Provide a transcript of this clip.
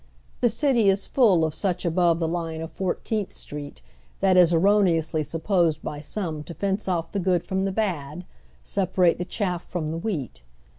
The city is full of such above tlie line of Fourteenth Street, that is erroneously supposed by some to fence off the good from the bad, separate the chaff from the wheat.